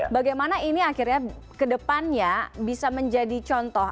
bagaimana ini akhirnya kedepannya bisa menjadi contoh